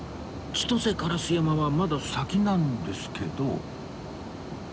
千歳烏山はまだ先なんですけど